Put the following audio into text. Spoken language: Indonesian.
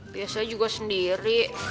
biasa juga sendiri